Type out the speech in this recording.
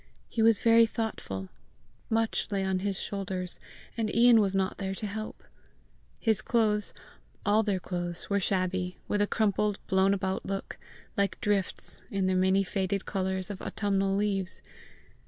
He was very thoughtful: much lay on his shoulders, and Ian was not there to help! His clothes, all their clothes were shabby, with a crumpled, blown about look like drifts, in their many faded colours, of autumnal leaves.